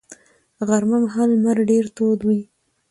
غرمه مهال لمر ډېر تود وي